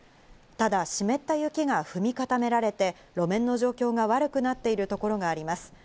ただ湿った雪が踏み固められて路面の状況が悪くなっているところがあります。